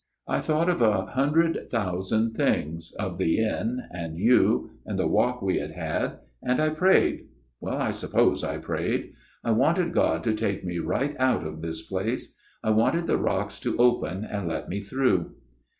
"' I thought of a hundred thousand things : of the inn, and you ; and the walk we had had : and I prayed well, I suppose I prayed. I wanted God to take me right out of this place. I wanted the rocks to open and let me through.'